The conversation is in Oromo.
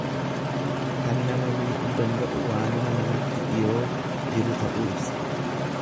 Kan nama miidhuu danda'u waanuma namatti dhiyoo jiru ta'uu ibsa.